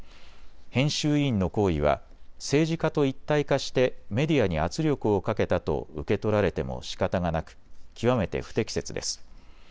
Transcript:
編集委員の行為は政治家と一体化してメディアに圧力をかけたと受け取られてもしかたがなく極めて不適切です。